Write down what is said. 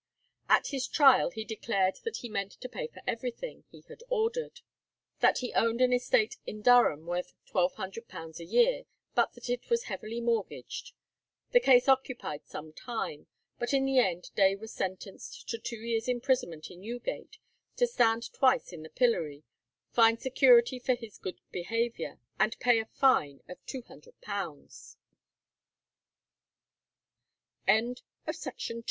At his trial he declared that he meant to pay for everything he had ordered, that he owned an estate in Durham worth £1200 a year, but that it was heavily mortgaged. The case occupied some time, but in the end Day was sentenced to two years' imprisonment in Newgate, to stand twice in the pillory, find security for his good behaviour, and pay a fine of £200. The cleverest swindles were often effected by the